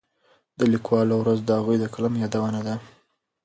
د لیکوالو ورځ د هغوی د قلم یادونه ده.